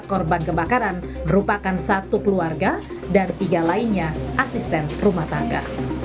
korban kebakaran merupakan satu keluarga dan tiga lainnya asisten rumah tangga